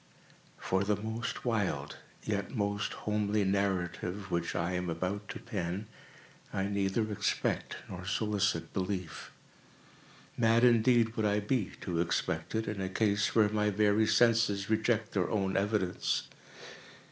For the most wild, yet most homely narrative which I am about to pen, I neither expect nor solicit belief. Mad indeed would I be to expect it, in a case where my very senses reject their own evidence.